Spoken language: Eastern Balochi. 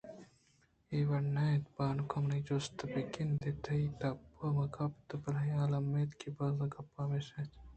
اے وڑ نہ اِنت بانک منی جست بہ گندے تئی تب ءَ مہ کپیت بلئے الّمی اِنت کہ بزاں گپ ہمیش اِنت